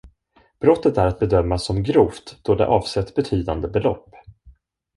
Brottet är att bedöma som grovt då det avsett betydande belopp.